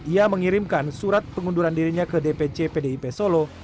ia mengirimkan surat pengunduran dirinya ke dpc pdip solo